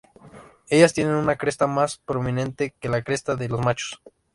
Ellas tiene una cresta más prominente que la cresta de los machos.